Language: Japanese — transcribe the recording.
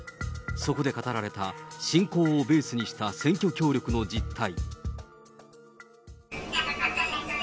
そこで語られた信仰をベースにした選挙協力の実態。